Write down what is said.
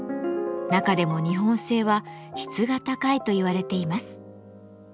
中でも日本製は質が高いといわれています。